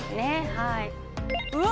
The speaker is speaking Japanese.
はいうわ